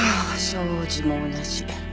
障子も同じ。